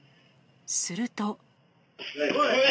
すると。